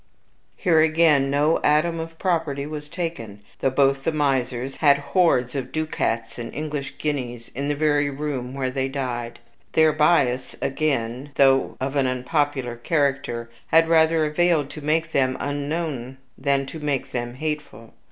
Here, again, no atom of property was taken, though both the misers had hordes of ducats and English guineas in the very room where they died. Their bias, again, though of an unpopular character, had rather availed to make them unknown than to make them hateful.